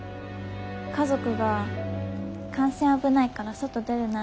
家族が「感染危ないから外出るな」